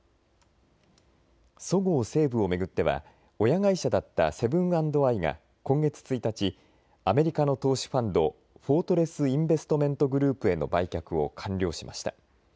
そごう・西武を巡っては親会社だったセブン＆アイが今月１日、アメリカの投資ファンド、フォートレス・インベストメント・グループへの売却を完了しました。